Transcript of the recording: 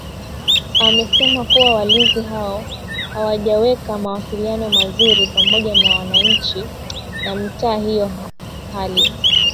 Amesema kuwa Walinzi hao hawajaweka mawasiliano mazuri pamoja na wananchi wa mitaa hiyo hali